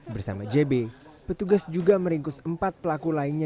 bersama jb petugas juga meringkus empat pelaku lainnya